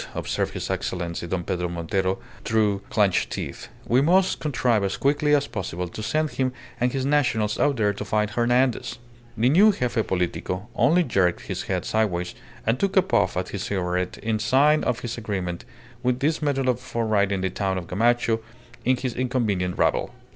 observed his Excellency Don Pedro Montero through clenched teeth. "We must contrive as quickly as possible to send him and his Nationals out there to fight Hernandez." The new Gefe Politico only jerked his head sideways, and took a puff at his cigarette in sign of his agreement with this method for ridding the town of Gamacho and his inconvenient rabble.